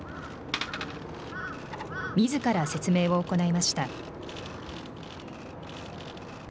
みずから説明を行いました。